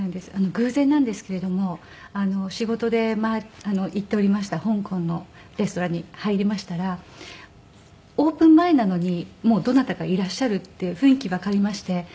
偶然なんですけれども仕事で行っておりました香港のレストランに入りましたらオープン前なのにもうどなたかいらっしゃるっていう雰囲気わかりまして。